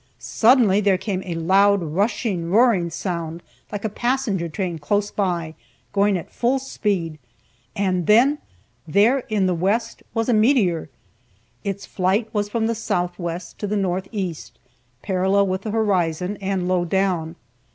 Suddenly there came a loud, rushing, roaring sound, like a passenger train close by, going at full speed, and there in the west was a meteor! Its flight was from the southwest to the northeast, parallel with the horizon, and low down.